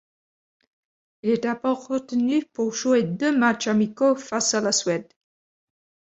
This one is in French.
Il est d'abord retenu pour jouer deux matchs amicaux face à la Suède.